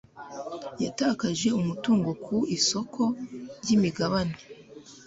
Yatakaje umutungo ku isoko ryimigabane.